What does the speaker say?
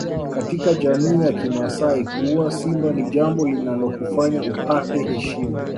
Katika jamii ya kimasai kuua Simba ni jambo linalokufanya upate heshima